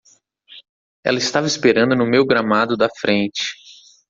Ela estava esperando no meu gramado da frente.